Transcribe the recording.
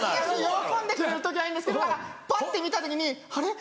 喜んでくれる時はいいんですけどぱって見た時にあれ？